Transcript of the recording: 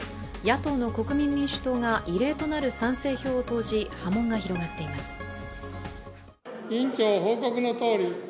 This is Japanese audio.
野党の国民民主党が異例となる賛成票を投じ、波紋が広がっています。